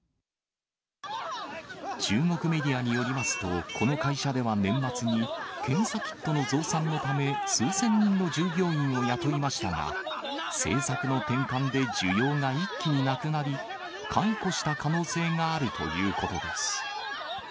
中国メディアによりますと、この会社では年末に、検査キットの増産のため、数千人の従業員を雇いましたが、政策の転換で需要が一気になくなり、解雇した可能性があるということです。